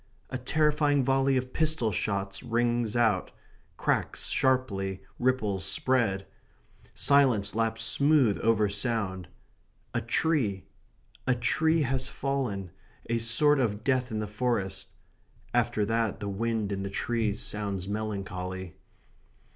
A terrifying volley of pistol shots rings out cracks sharply; ripples spread silence laps smooth over sound. A tree a tree has fallen, a sort of death in the forest. After that, the wind in the trees sounds melancholy.